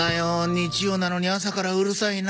日曜なのに朝からうるさいな。